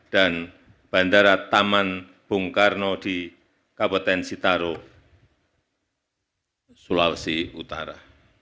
dan bandara taman bung karno di kabupaten sitaro sulawesi utara